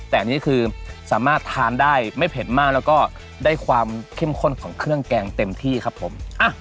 แต่อันนี้คือสามารถทานได้ไม่เผ็ดมากแล้วก็ได้ความเข้มข้นของเครื่องแกงเต็มที่ครับผม